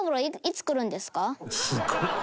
すごい！